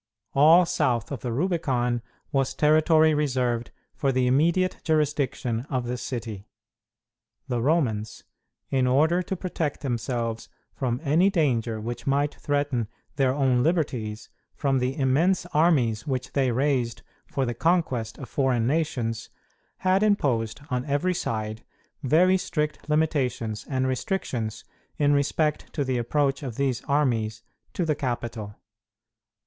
All south of the Rubicon was territory reserved for the immediate jurisdiction of the city. The Romans, in order to protect themselves from any danger which might threaten their own liberties from the immense armies which they raised for the conquest of foreign nations, had imposed on every side very strict limitations and restrictions in respect to the approach of these armies to the capital.